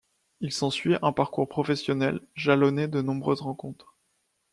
Il s’ensuit un parcours professionnel jalonné de nombreuses rencontres.